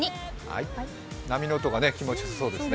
波の音が気持ちよさそうですね。